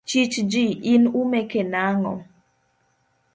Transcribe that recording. Chich ji, in umeke nang'o?